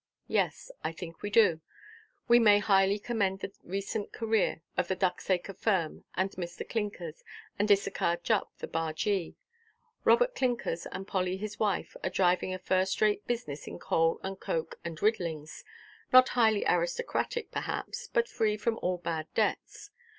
Yes, I think we do. We may highly commend the recent career of the Ducksacre firm, and Mr. Clinkers, and Issachar Jupp the bargee. Robert Clinkers and Polly his wife are driving a first–rate business in coal and coke and riddlings, not highly aristocratic perhaps, but free from all bad debts.